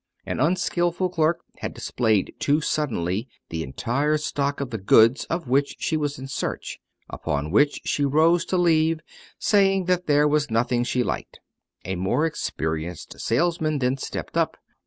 An unskillful clerk had displayed too suddenly the entire stock of the goods of which she was in search; upon which she rose to leave, saying that there was nothing she liked. A more experienced salesman then stepped up.